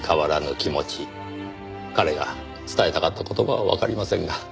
彼が伝えたかった言葉はわかりませんが。